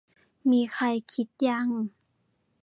มีใครคิด ยัง